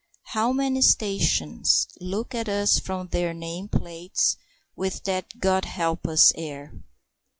How many stations look at us from their name plates with that "God help us!" air!